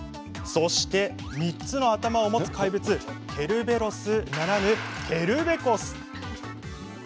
そして、３つの頭を持つ怪物ケルベロスならぬケルベコス。